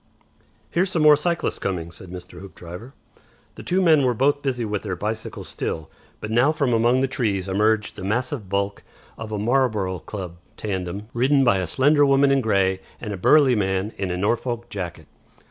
"Here's some more cyclists coming," said Mr. Hoopdriver. The two men were both busy with their bicycle still, but now from among the trees emerged the massive bulk of a 'Marlborough Club' tandem, ridden by a slender woman in grey and a burly man in a Norfolk jacket.